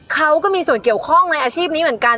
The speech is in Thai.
เขาก็มีส่วนเกี่ยวข้องในอาชีพนี้เหมือนกัน